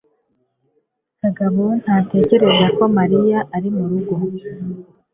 kagabo ntatekereza ko mariya ari murugo